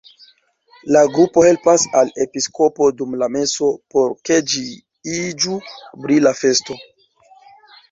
La grupo helpas al episkopo dum la meso, por ke ĝi iĝu brila festo.